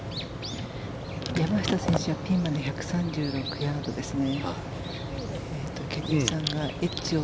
山下選手はピンまで１３６ヤードですね。